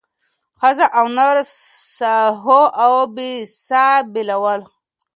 ښځه او نر ساهو او بې ساه بېلول